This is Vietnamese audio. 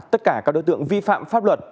tất cả các đối tượng vi phạm pháp luật